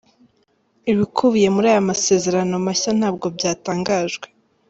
Ibikubiye muri aya masezerano mashya ntabwo byatangajwe.